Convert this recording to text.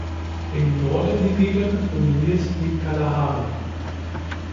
Im Norden hingegen dominiert die Kalahari.